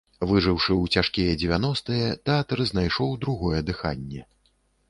Выжыўшы ў цяжкія дзевяностыя, тэатр знайшоў другое дыханне.